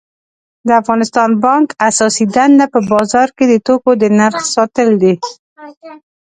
د افغانستان بانک اساسی دنده په بازار کی د توکو د نرخ ساتل دي